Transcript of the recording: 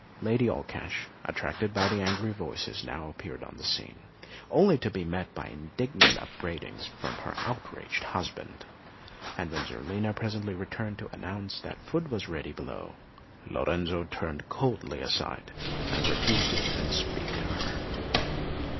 Lady Allcash, attracted by the angry voices, now appeared on the scene, only to be met by indignant upbraidings from her outraged husband; and when Zerlina presently returned to announce that food was ready below, Lorenzo turned coldly aside and refused even to speak to her.